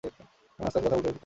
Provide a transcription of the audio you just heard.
এখানে আস্তে কথা বলতে হবে, খোকা।